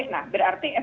nah berarti skbnya kan